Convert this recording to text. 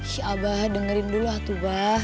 si abah dengerin dulu lah tuh bah